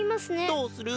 どうする？